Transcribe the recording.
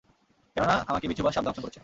কেননা আমাকে বিচ্ছু বা সাপ দংশন করেছিল।